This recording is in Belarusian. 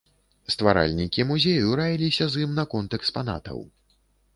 Стваральнікі музею раіліся з ім наконт экспанатаў.